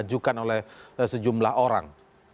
yang diperlukan oleh sejumlah orang